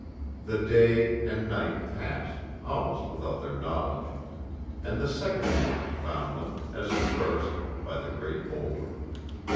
The day and night passed, almost without their knowledge, and the second morning found them, as the first, by the great boulder.